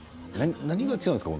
何が違うんですか？